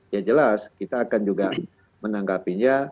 ya jelas kita akan juga menanggapinya